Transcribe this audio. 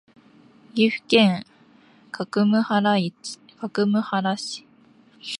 岐阜県各務原市